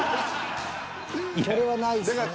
これはないですね。